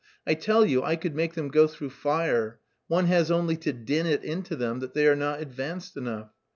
I tell you I could make them go through fire; one has only to din it into them that they are not advanced enough.